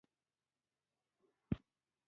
منزل او هدف ته د رسیدو په لار کې خلک ورته دریږي